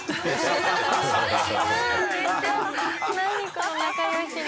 この仲良しな。